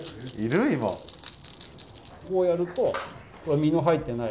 こうやると身の入ってない。